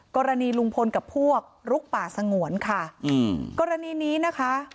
กรณีลุงพลกับพวกลุกป่าสงวนค่ะอืมกรณีนี้นะคะ